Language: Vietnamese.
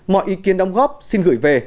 mọi ý kiến đóng góp xin gửi về